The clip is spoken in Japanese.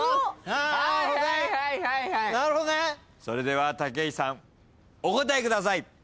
それでは武井さんお答えください。